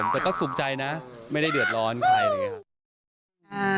แต่ก็สุขใจนะไม่ได้เดือดร้อนใครเลยค่ะ